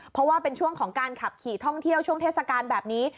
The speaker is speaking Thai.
เพราะว่าเป็นช่วงของการขับขี่ท่องเที่ยวช่วงเทศกาลแบบนี้